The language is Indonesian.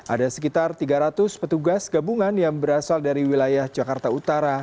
ada sekitar tiga ratus petugas gabungan yang berasal dari wilayah jakarta utara